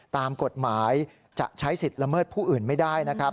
ตามกฎหมายจะใช้สิทธิ์ละเมิดผู้อื่นไม่ได้นะครับ